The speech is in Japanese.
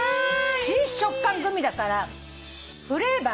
新食感グミだからフレーバーがね